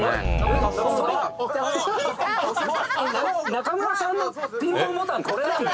中村さんのピンポンボタンこれなんだ。